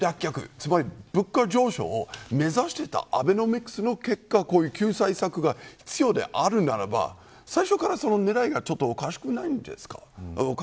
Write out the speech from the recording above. つまり、物価上昇を目指していたアベノミクスの結果こういう救済策が必要であるならば最初からその狙いがおかしくないですか。